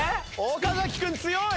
岡君強い！